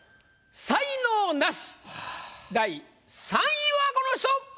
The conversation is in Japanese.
才能ナシ第３位はこの人！